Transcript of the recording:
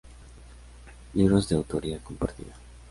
Libros de Autoría Compartida